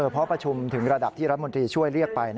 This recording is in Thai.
เพราะประชุมถึงระดับที่รัฐมนตรีช่วยเรียกไป